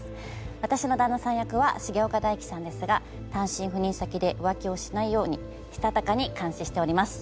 私の旦那さん役は重岡大毅さんですが単身赴任先で浮気をしないようにしたたかに監視しております。